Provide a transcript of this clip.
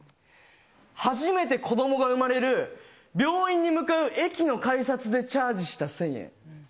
初めて子どもが産まれる、病院に向かう駅の改札でチャージした１０００円。